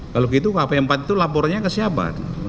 kalau gitu kp empat itu laporannya ke siapa